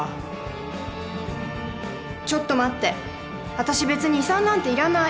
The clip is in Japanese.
私別に遺産なんていらない。